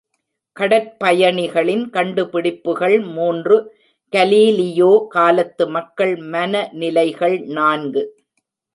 கடற் பயணிகளின் கண்டுபிடிப்புகள் மூன்று கலீலியோ காலத்து மக்கள் மனநிலைகள் நான்கு.